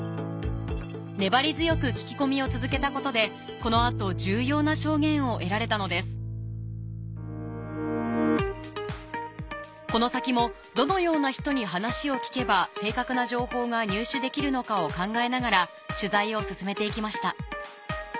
粘り強く聞き込みを続けたことでこの先もどのような人に話を聞けば正確な情報が入手できるのかを考えながら取材を進めていきました